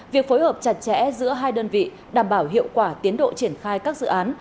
việc phối hợp chặt chẽ giữa hai đơn vị đảm bảo hiệu quả tiến độ triển khai các dự án